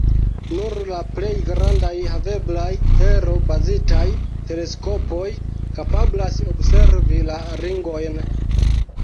Nur la plej grandaj haveblaj tero-bazitaj teleskopoj kapablas observi la ringojn.